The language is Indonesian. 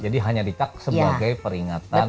jadi hanya ditak sebagai peringatan